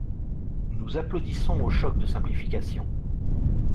Nous applaudissons au choc de simplification